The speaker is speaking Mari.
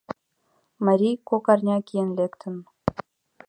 Марий кок арня киен лектын.